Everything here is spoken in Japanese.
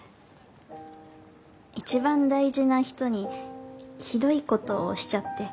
一番大事な人にひどいことしちゃって。